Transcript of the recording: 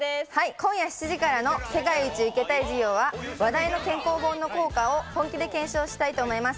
今夜７時からの『世界一受けたい授業』は話題の健康本の効果を本気で検証したいと思います。